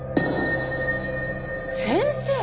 先生！